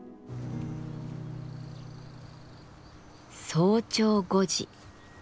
早朝５時。